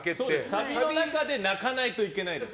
サビの中で泣かないといけないんです。